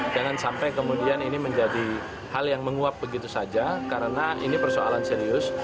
jangan sampai kemudian ini menjadi hal yang menguap begitu saja karena ini persoalan serius